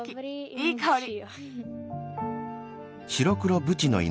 いいかおり！